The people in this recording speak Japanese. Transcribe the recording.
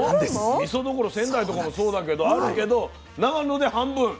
みそどころ仙台とかもそうだけどあるけど長野で半分日本の。